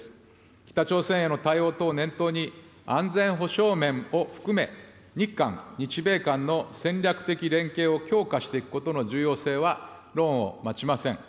北朝鮮への対応等を念頭に、安全保障面を含め、日韓、日米韓の戦略的連携を強化していくことの重要性は、論をまちません。